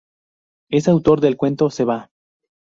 Es autor del cuento "Seva".